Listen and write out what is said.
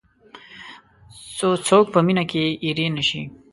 څو څوک په مینه کې اېرې نه شي.